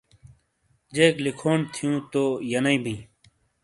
جیک لکھونڈ تھیوں تو ینیئ بیں۔